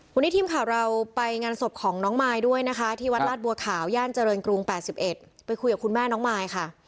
วันนี้ทีมข่าวเราไปงานศพของน้องมายด้วยนะคะที่วัดลาดบัวขาวย่านเจริญกรุง๘๑ไปคุยกับคุณแม่น้องมายค่ะ